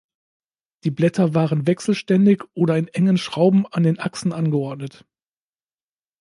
Die Blätter waren wechselständig oder in engen Schrauben an den Achsen angeordnet.